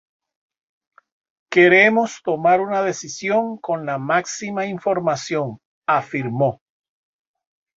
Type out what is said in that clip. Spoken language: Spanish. Queremos tomar una decisión con la máxima información", afirmó.